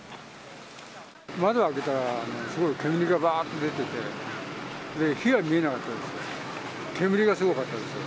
窓開けたら、すごい煙がばーっと出てて、火は見えなかったですよ。